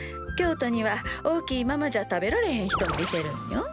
京都には大きいままじゃ食べられへん人もいてるんよ。